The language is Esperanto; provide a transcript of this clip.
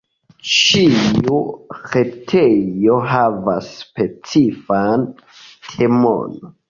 Ĉiu retejo havas specifan temon.